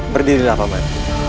berdirilah pak mat